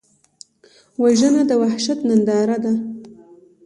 وژنه د وحشت ننداره ده